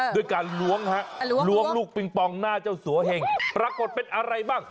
ด้วยการล้วงฮะล้วงลูกปิงปองหน้าเจ้าสัวเหงปรากฏเป็นอะไรบ้าง